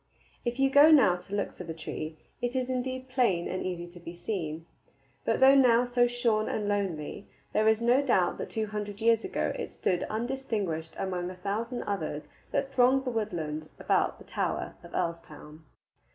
If you go now to look for the tree, it is indeed plain and easy to be seen. But though now so shorn and lonely, there is no doubt that two hundred years ago it stood undistinguished among a thousand others that thronged the woodland about the tower of Earlstoun.